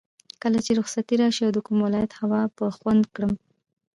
کله به رخصتي راشي او د کوم ولایت هوا به خوند کړم.